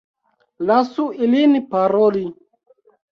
Lasu ilin paroli.